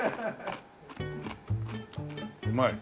うまい。